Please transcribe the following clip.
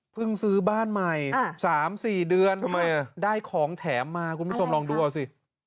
ซื้อบ้านใหม่๓๔เดือนทำไมได้ของแถมมาคุณผู้ชมลองดูเอาสิ